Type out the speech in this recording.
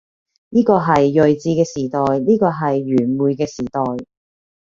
呢個係睿智嘅時代，呢個係愚昧嘅時代，